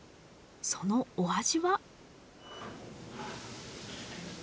そのお味は？